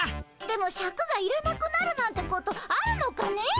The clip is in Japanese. でもシャクがいらなくなるなんてことあるのかねぇ？